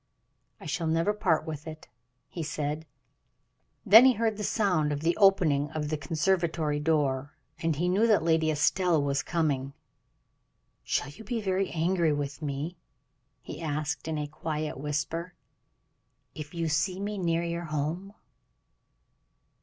"I shall never part with it," he said. Then he heard the sound of the opening of the conservatory door, and he knew that Lady Estelle was coming. "Shall you be very angry with me," he asked, in a quiet whisper, "if you see me near your home."